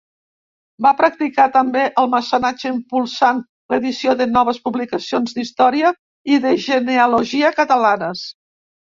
Va practicar també el mecenatge impulsant l'edició de noves publicacions d'història i de genealogia catalanes.